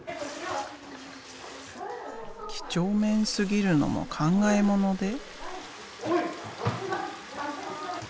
几帳面すぎるのも考えもので。